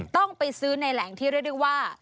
ต้องไปซื้อในแหล่งที่เรียกได้ว่า